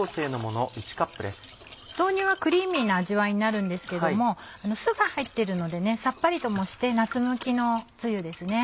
豆乳はクリーミーな味わいになるんですけども酢が入ってるのでさっぱりともして夏向きのつゆですね。